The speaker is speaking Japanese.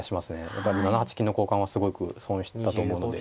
やっぱり７八金の交換はすごく損したと思うので。